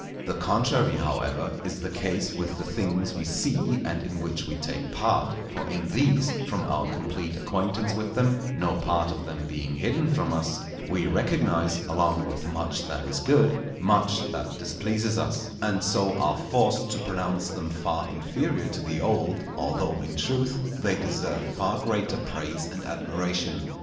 The contrary, however, is the case with the things we see, and in which we take part; for in these, from our complete acquaintance with them, no part of them being hidden from us, we recognize, along with much that is good, much that displeases us, and so are forced to pronounce them far inferior to the old, although in truth they deserve far greater praise and admiration.